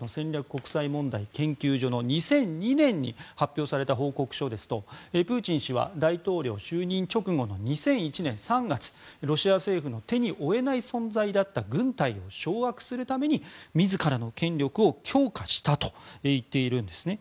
国際問題研究所の２００２年に発表された報告書ですとプーチン氏は大統領就任直後の２００１年３月ロシア政府の手に負えない存在だった軍隊を掌握するために自らの権力を強化したと言っているんですね。